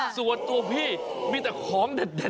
ส่วนตัวพี่มีแต่ของเด็ด